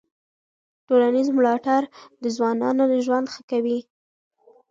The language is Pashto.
ټولنیز ملاتړ د ځوانانو ژوند ښه کوي.